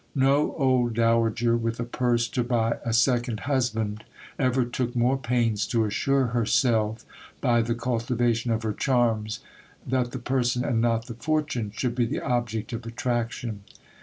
No old dowager, with a purse to buy a second husband, ever took more pains to assure herself by the cultivation of her charms, that the person and not the fortune should be the object of attraction.